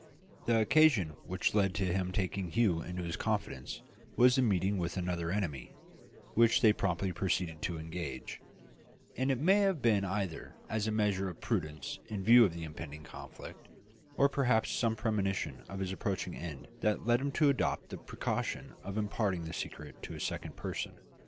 The occasion which led to his taking Hugh into his confidence was the meeting with another enemy, which they promptly proceeded to engage; and it may have been either as a measure of prudence in view of the impending conflict, or perhaps some premonition of his approaching end that led him to adopt the precaution of imparting the secret to a second person.